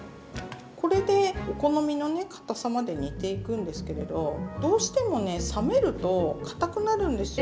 これでお好みのね堅さまで煮ていくんですけれどどうしてもね冷めると堅くなるんですよ。